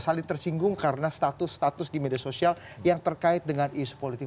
saling tersinggung karena status status di media sosial yang terkait dengan isu politik